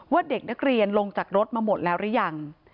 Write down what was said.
เด็กนักเรียนลงจากรถมาหมดแล้วหรือยัง